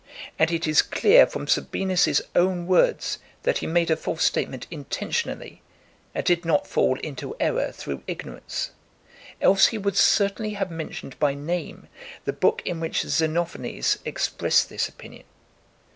And it is clear from Sabinos's own words that he made a false statement in tentionally and did not fall into error through ignorance. Else he would certainly have mentioned by name the book in which Xenophanes expressed this opinion.